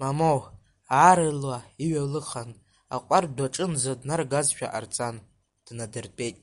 Мамоу, аарла иҩалыхан, аҟәардә аҿынӡа днаргазшәа ҟарҵан, днадыртәеит.